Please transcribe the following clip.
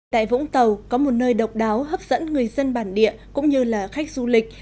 tại vũng tàu có một nơi độc đáo hấp dẫn người dân bản địa cũng như là khách du lịch